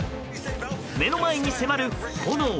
目の前に迫る炎。